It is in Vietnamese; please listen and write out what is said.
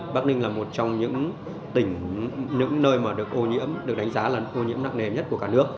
bắc ninh là một trong những tỉnh những nơi mà được ô nhiễm được đánh giá là ô nhiễm nặng nềm nhất của cả nước